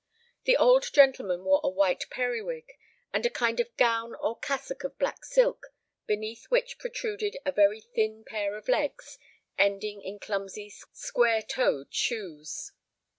The old gentleman wore a white periwig, and a kind of gown or cassock of black silk, beneath which protruded a very thin pair of legs ending in clumsy square toed shoes.